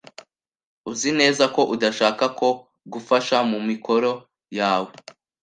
Uzi neza ko udashaka ko ngufasha mumikoro yawe?